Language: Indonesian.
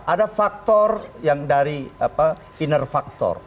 ada faktor yang dari inner factor